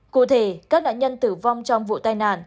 cụ thể các nạn nhân tử vong trong vụ tai nạn